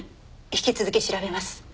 引き続き調べます。